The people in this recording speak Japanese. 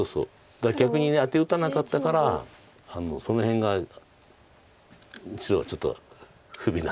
だから逆にアテ打たなかったからその辺が白はちょっと不備なんです。